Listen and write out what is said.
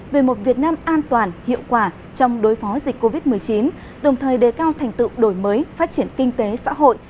về một việt nam an toàn hiệu quả trong đối phó dịch covid một mươi chín đồng thời đề cao thành tựu đổi mới phát triển kinh tế xã hội